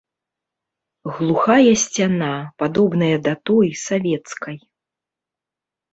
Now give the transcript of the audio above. Глухая сцяна, падобная да той, савецкай.